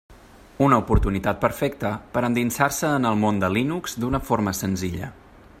Una oportunitat perfecta per endinsar-se en el món de Linux d'una forma senzilla.